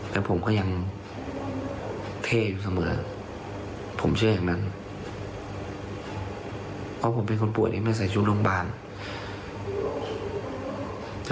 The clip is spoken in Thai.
เพราะผมเป็นคนป่วยที่มาใส่ชุดโรงพยาบาล